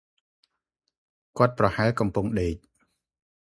គាត់ ប្រហែលកំពុងដេក ។